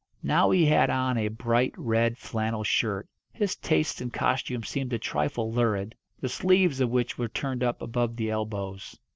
Now he had on a bright red flannel shirt his tastes in costume seemed a trifle lurid the sleeves of which were turned up above the elbows.